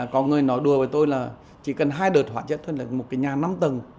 có người nói đùa với tôi là chỉ cần hai đợt hoạt chất thân là một cái nhà năm tầng